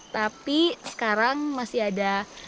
tapi sekarang masih ada